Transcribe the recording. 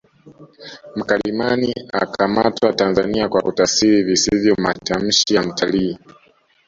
Mkalimani akamatwa Tanzania kwa kutafsiri visivyo matamshi ya mtalii